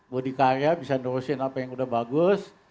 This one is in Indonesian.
bodi karya bisa nurusin apa yang udah bagus